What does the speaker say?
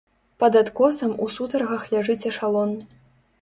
Пад адкосам у сутаргах ляжыць эшалон!